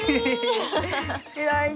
偉いね。